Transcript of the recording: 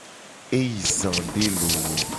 E yi zade loo.